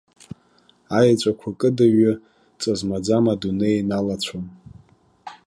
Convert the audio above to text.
Аеҵәақәа кыдыҩҩы ҵа-змаӡам адунеи иналацәон.